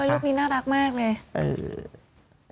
โอ้ยลูกนี้น่ารักมากเลย